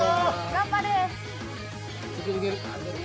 頑張れ。